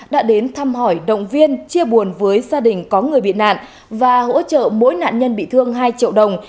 đã đến thăm hỏi động viên chia buồn với gia đình có người bị nạn và hỗ trợ mỗi nạn nhân bị thương hai triệu đồng